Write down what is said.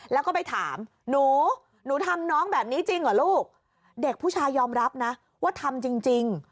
แล้วก็ไปถามหนูหนูทำน้องแบบนี้จริงเหรอลูกเด็กผู้ชายยอมรับนะว่าทำจริง